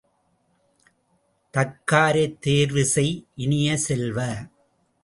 தக்காரைத் தேர்வு செய் இனிய செல்வ!